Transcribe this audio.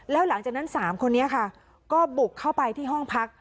แล้วหลังจากนั้น๓คนนี้ค่ะก็บุกเข้าไปที่ห้องพัก